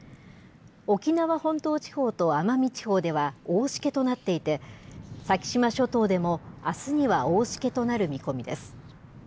沖縄本島地方と奄美地方では大しけとなっていて、先島諸島でもあすには大しけとなる見込みです。